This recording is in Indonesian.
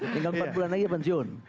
tinggal empat bulan lagi ya pensiun